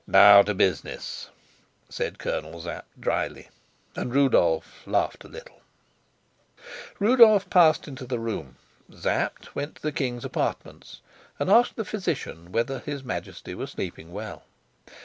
"Now to business," said Colonel Sapt dryly; and Rudolf laughed a little. Rudolf passed into the room. Sapt went to the king's apartments, and asked the physician whether his Majesty were sleeping well.